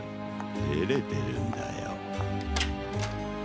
てれてるんだよ。